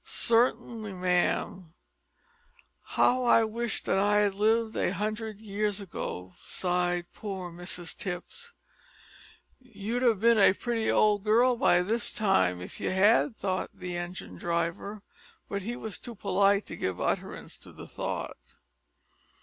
"Cer'nly, ma'am." "How I wish that I had lived a hundred years ago!" sighed poor Mrs Tipps. "You'd have bin a pretty old girl by this time if you had," thought the engine driver, but he was too polite to give utterance to the thought.